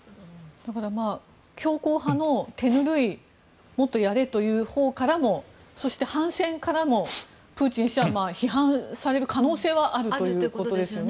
強硬派の、手ぬるいもっとやれというほうからもそして、反戦からもプーチン氏は批判される可能性はあるということですよね。